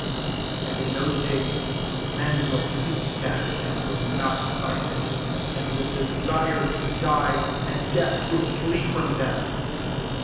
6 And in those days men nrill seek death, and will not ind it ; and will desire to die» md death will flee from them.